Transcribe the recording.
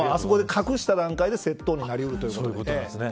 隠した段階で窃盗になり得るということです。